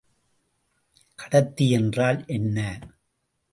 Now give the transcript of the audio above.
கடத்தி என்றால் என்ன?